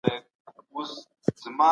قاضیانو په محکمو کي څه ډول پرېکړي کولي؟